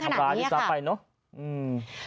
เป็นการทำร้ายที่สาไปเนอะ